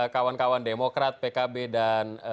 kawan kawan demokrat pkb dan